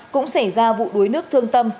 cũng xảy ra vụ đuối nước thương tâm